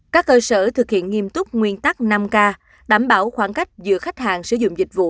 các cơ sở thực hiện nghiêm túc nguyên tắc năm k đảm bảo khoảng cách giữa khách hàng sử dụng dịch vụ